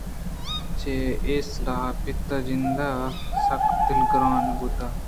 چہ اےسلاہ ءَ پت ءِ جند سک دلگرٛان بوت